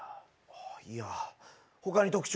あぁいやほかに特徴は？